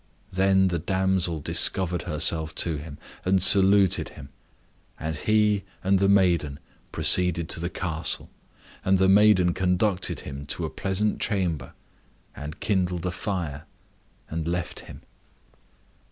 Then the damsel discovered herself to him, and saluted him. And he and the maiden proceeded to the castle, and the maiden conducted him to a pleasant chamber, and kindled a fire, and left him.